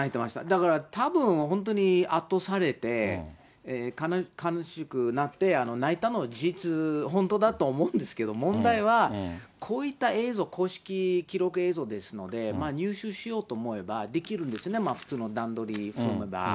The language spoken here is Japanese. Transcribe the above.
だから、たぶん、本当に圧倒されて、悲しくなって、泣いたのは事実、本当だと思うんですけれども、問題は、こういった映像、公式記録映像ですので、入手しようと思えばできるんですね、普通の段取り踏めば。